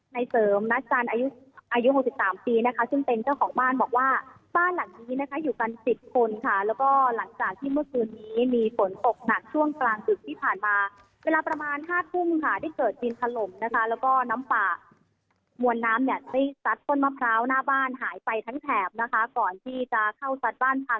ในเสริมนัดจันทร์อายุ๖๓ปีนะคะซึ่งเจ้าของบ้านบอกว่า